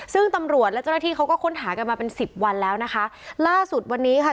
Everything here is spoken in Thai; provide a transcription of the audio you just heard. ซึ่งตำรวจและเจ้าหน้าที่เขาก็ค้นหากันมาเป็นสิบวันแล้วนะคะล่าสุดวันนี้ค่ะ